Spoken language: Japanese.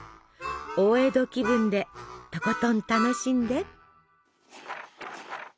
大江戸気分でとことん楽しんで！